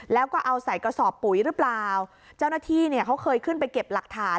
แล้วก็เอาใส่กระสอบปุ๋ยหรือเปล่าเจ้าหน้าที่เนี่ยเขาเคยขึ้นไปเก็บหลักฐาน